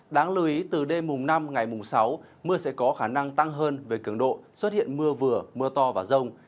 đáng lưu ý từ đêm mùng năm ngày mùng sáu mưa sẽ có khả năng tăng hơn về cường độ xuất hiện mưa vừa mưa to và rông